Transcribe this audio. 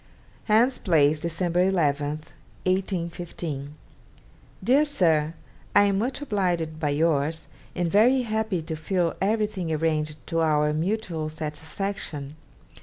'Hans Place, December 11 (1815). 'DEAR SIR, I am much obliged by yours, and very happy to feel everything arranged to our mutual satisfaction.